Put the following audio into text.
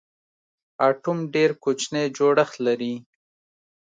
اټوم ډېر کوچنی جوړښت لري.